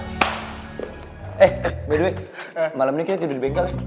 eh by the way malam ini kita tiba di bengkel ya